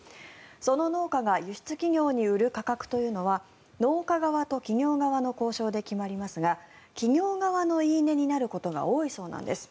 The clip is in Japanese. その農家が輸出企業に売る価格というのは農家側と企業側の交渉で決まりますが企業側の言い値になることが多いそうなんです。